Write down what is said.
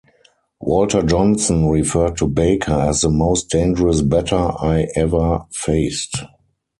Walter Johnson referred to Baker as the most dangerous batter I ever faced.